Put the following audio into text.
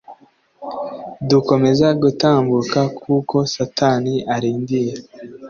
dukomeze gutambuka kuko satani arindira